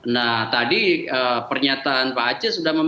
nah tadi pernyataan pak aceh sudah